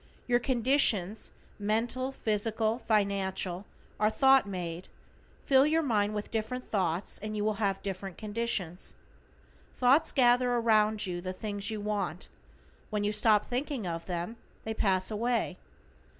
Your conditions, mental, physical, financial, are thought made; fill your mind with different thoughts and you will have different conditions. Thought gathers around you the things you want, when you stop thinking of them they pass away.